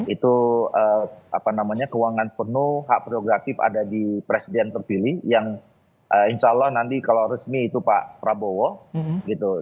itu apa namanya keuangan penuh hak prerogatif ada di presiden terpilih yang insya allah nanti kalau resmi itu pak prabowo gitu